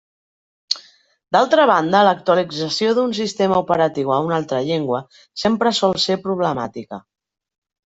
D'altra banda, l'actualització d'un sistema operatiu a una altra llengua sempre sol ser problemàtica.